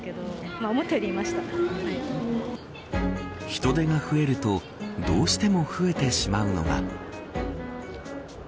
人出が増えるとどうしても増えてしまうのが。